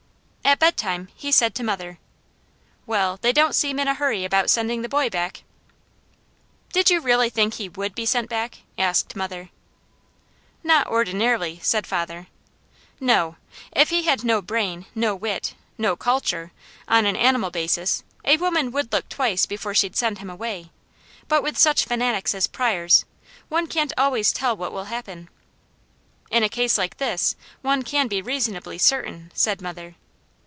At bedtime he said to mother: "Well, they don't seem in a hurry about sending the boy back." "Did you really think he WOULD be sent back?" asked mother. "Not ordinarily," said father, "no! If he had no brain, no wit, no culture, on an animal basis, a woman would look twice before she'd send him away; but with such fanatics as Pryors, one can't always tell what will happen." "In a case like this, one can be reasonably certain," said mother.